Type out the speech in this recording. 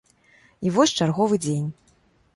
І вось чарговы дзень.